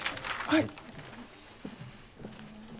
はい。